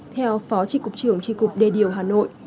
theo phó tri cục trường tri cục đề điều hà nội